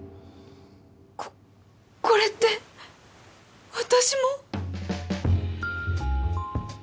ここれって私も！？